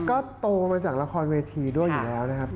ก็โตมาจากละครเวทีด้วยอยู่แล้วนะครับ